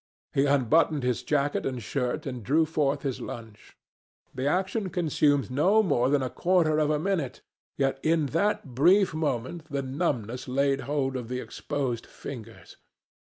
He unbuttoned his jacket and shirt and drew forth his lunch. The action consumed no more than a quarter of a minute, yet in that brief moment the numbness laid hold of the exposed fingers.